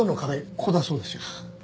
ここだそうですよ。